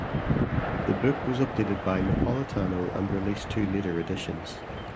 The book was updated by Napolitano and released two later editions.